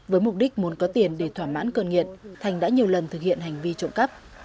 với mục đích muốn có tiền để thỏa mãn cơn nghiện thành đã nhiều lần thực hiện hành vi trộm cắp